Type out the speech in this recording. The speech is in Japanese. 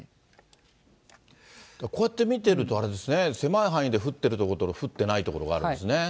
こうやって見てるとあれですね、狭い範囲で降ってる所と降ってない所があるんですね。